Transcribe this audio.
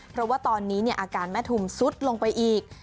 เพราะว่าตอนนี้อาการแม่ทุมซุดลงไปอีก